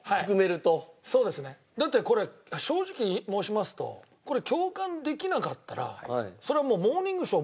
だってこれ正直に申しますとこれ共感できなかったらそれはもう『モーニングショー』